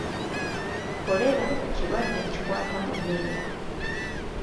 Kkolera kirwadde ekikwata mu byenda.